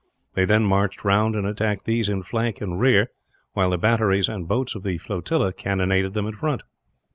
They then marched round and attacked these in flank and rear, while the batteries and boats of the flotilla cannonaded them in front.